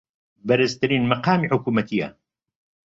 بەرزترین مەقامی حکوومەتییە